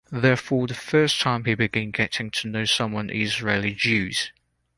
There for the first time he began getting to know some Israeli Jews.